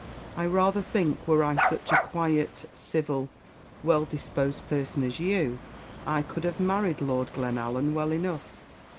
I rather think, were I such a quiet, civil, well disposed person as you, I could have married Lord Glenallan well enough.